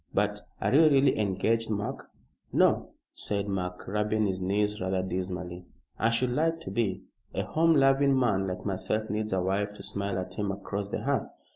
But are you really engaged, Mark?" "No," said Mark, rubbing his knees rather dismally. "I should like to be. A home loving man like myself needs a wife to smile at him across the hearth."